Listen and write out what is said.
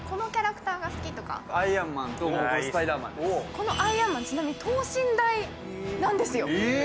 このアイアンマン、ちなみに等身大なんですよ。